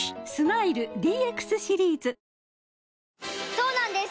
そうなんです